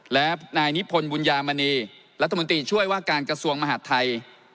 และนายนิพนธ์บุญญามณีรัฐมนตรีช่วยว่าการกระทรวงมหาดไทย